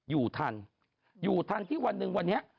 อยู่ทันอยู่ทันที่วันหนึ่งวันนี้